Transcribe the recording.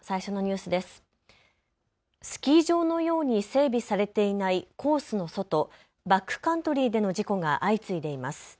スキー場のように整備されていないコースの外、バックカントリーでの事故が相次いでいます。